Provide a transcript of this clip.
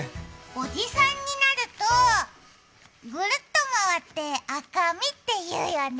おじさんになると、ぐるっと回って赤身って言うよね。